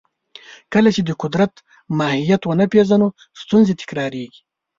کله چې د قدرت ماهیت ونه پېژنو، ستونزې تکراریږي.